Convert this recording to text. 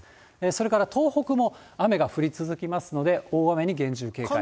それから東北も雨が降り続きますので、大雨に厳重警戒。